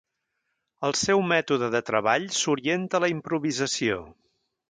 El seu mètode de treball s'orienta a la improvisació.